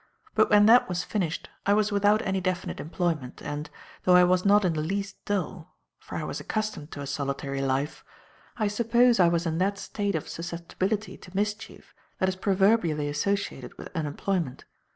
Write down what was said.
But when that was finished, I was without any definite employment, and, though I was not in the least dull for I was accustomed to a solitary life I suppose I was in that state of susceptibility to mischief that is proverbially associated with unemployment.